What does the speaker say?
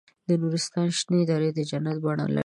د نورستان شنې درې د جنت بڼه لري.